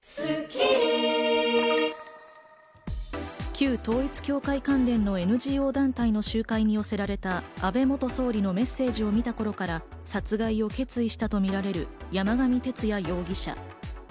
旧統一教会関連のＮＧＯ団体の集会に寄せられた安倍元総理のメッセージを見たことから、殺害を決意したとみられる山上徹也容疑者。